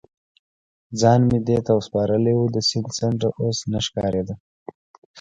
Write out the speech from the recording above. ځان مې دې ته سپارلی و، د سیند څنډه اوس نه ښکارېده.